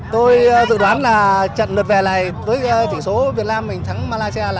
tôi dự đoán là trận lượt về này với tỷ số việt nam mình thắng malaysia là hai